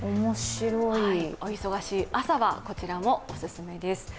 お忙しい朝は、こちらもおすすめです。